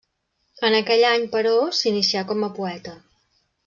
En aquell any, però, s'inicià com a poeta.